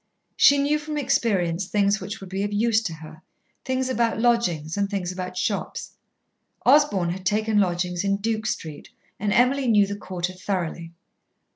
She knew from experience things which would be of use to her things about lodgings and things about shops. Osborn had taken lodgings in Duke Street, and Emily knew the quarter thoroughly.